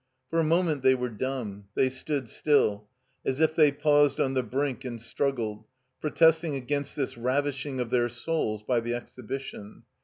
For a moment they were dumb, they stood still, as if they paused on the brink and struggled, protesting against this ravishing of their souls by the Exhibition.